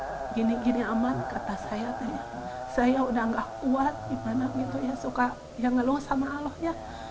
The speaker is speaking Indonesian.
ujian ini aman kata saya saya udah gak kuat suka ngeluh sama allah ya